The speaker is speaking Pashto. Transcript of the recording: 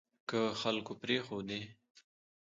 که خلکو پرېښودې